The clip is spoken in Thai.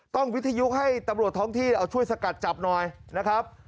วิทยุให้ตำรวจท้องที่เอาช่วยสกัดจับหน่อยนะครับ